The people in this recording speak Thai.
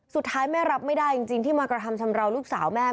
สุดท้ายแม่รับไม่ได้จริงที่มากระทำชำราวลูกสาวแม่